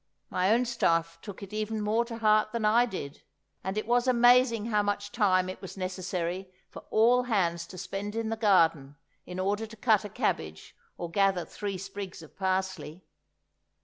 My own staff took it even more to heart than I did; and it was amazing how much time it was necessary for all hands to spend in the garden in order to cut a cabbage or gather three sprigs of parsley.